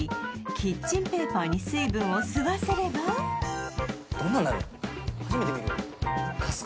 キッチンペーパーに水分を吸わせればどんなんなるん？